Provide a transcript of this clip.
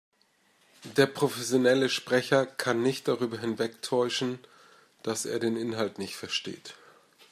Der professionelle Sprecher kann nicht darüber hinwegtäuschen, dass er den Inhalt nicht versteht.